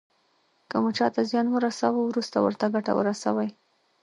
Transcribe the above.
که مو چاته زیان ورساوه وروسته ورته ګټه ورسوئ.